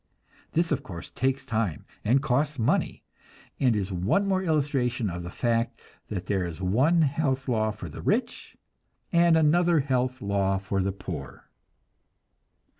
This, of course, takes time and costs money, and is one more illustration of the fact that there is one health law for the rich and another health law for the poor.